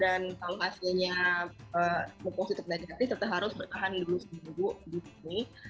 dan kalau hasilnya positif dan gratis tetap harus bertahan dulu dulu di sini